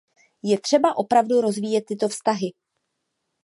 Je třeba opravdu rozvíjet tyto vztahy.